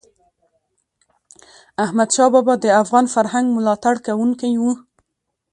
احمدشاه بابا د افغان فرهنګ ملاتړ کوونکی و.